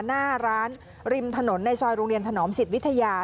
หน้าร้านริมถนนในซอยโรงเรียนถนอมสิทธิวิทยา